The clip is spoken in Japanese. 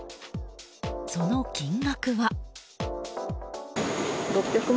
その金額は。